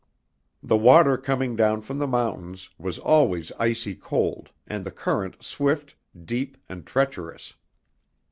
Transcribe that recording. The water coming down from the mountains, was always icy cold and the current swift, deep, and treacherous.